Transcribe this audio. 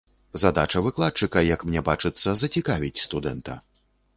Задача выкладчыка, як мне бачыцца, зацікавіць студэнта.